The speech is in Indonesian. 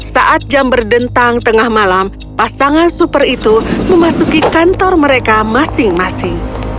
saat jam berdentang tengah malam pasangan super itu memasuki kantor mereka masing masing